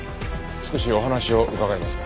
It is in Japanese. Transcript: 少しお話を伺えますか？